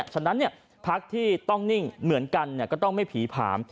ฉะนั้นพักที่ต้องนิ่งเหมือนกันก็ต้องไม่ผีผาม